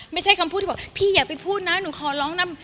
ไม่ใช่คำพูดที่บอกพี่อย่าไปพูดนะหนูขอร้องนะ